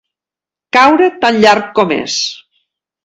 Caure tan llarg com és.